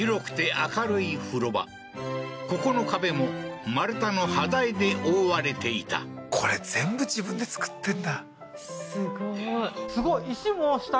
ここの壁も丸太の端材で覆われていたこれ全部自分で造ってんだ？